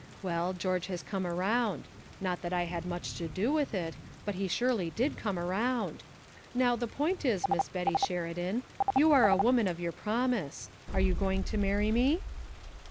Well, George has come around. Not that I had much to do with it but he surely did come around! Now, the point is, Miss Betty Sheridan, are you a woman of your promise are you going to marry me?"